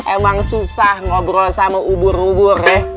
emang susah ngobrol sama ubur ubur ya